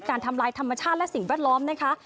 ทำลายธรรมชาติและสิ่งแวดล้อมนะคะ